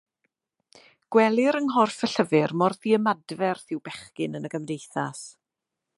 Gwelir yng nghorff y llyfr mor ddiymadferth yw bechgyn yn y gymdeithas.